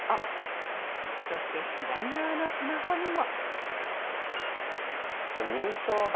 そして左側のスマホにも。